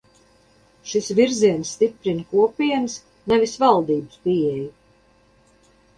Šis virziens stiprina Kopienas, nevis valdības pieeju.